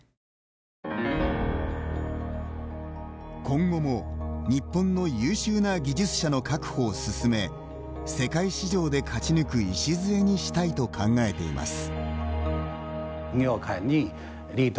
今後も日本の優秀な技術者の確保を進め世界市場で勝ち抜く礎にしたいと考えています。